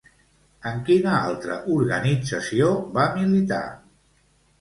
En quina altra organització va militar?